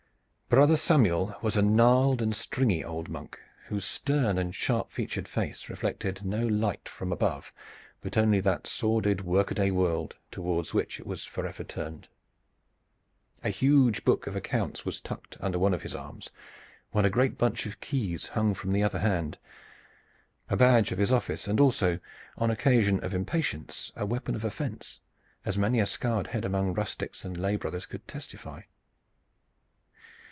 Brother Samuel was a gnarled and stringy old monk whose stern and sharp featured face reflected no light from above but only that sordid workaday world toward which it was forever turned. A huge book of accounts was tucked under one of his arms, while a great bunch of keys hung from the other hand, a badge of his office, and also on occasion of impatience a weapon of offense, as many a scarred head among rustics and lay brothers could testify.